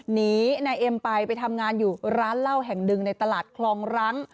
หนีนายเอ็มไปไปทำงานอยู่ร้านเหล้าแห่งหนึ่งในตลาดคลองรัง